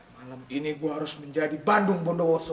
malam ini gue harus menjadi bandung bondowoso